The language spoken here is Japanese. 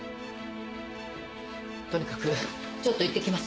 とにかくちょっと行ってきます。